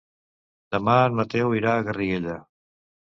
Demà en Mateu irà a Garriguella.